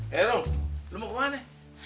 hei rum lu mau kemana